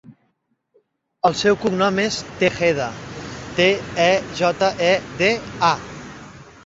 El seu cognom és Tejeda: te, e, jota, e, de, a.